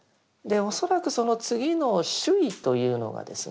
恐らくその次の「守意」というのがですね